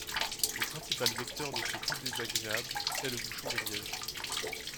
Le principal vecteur de ce goût désagréable est le bouchon de liège.